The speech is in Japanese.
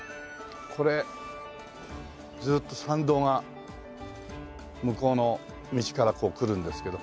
これずっと参道が向こうの道からこう来るんですけど